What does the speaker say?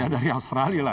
ya dari australia lah